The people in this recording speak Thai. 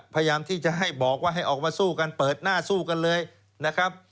พยายามที่จะให้บอกว่าให้ออกมาสู้กันเปิดหน้าสู้กันเลยนะครับ